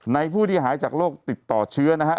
ผู้ที่หายจากโรคติดต่อเชื้อนะฮะ